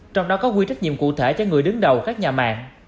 trong đó có quy trách nhiệm cụ thể cho người đứng đầu các nhà mạng